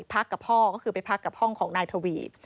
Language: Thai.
พักกับพ่อก็คือไปพักกับห้องของนายทวี